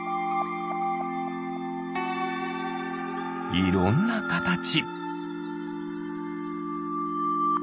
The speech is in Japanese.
いろんなかたち。